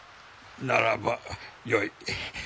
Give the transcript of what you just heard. ならばよい。